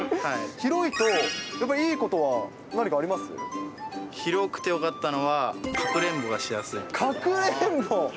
広いと、やっぱりいいことは何か広くてよかったのは、かくれかくれんぼ？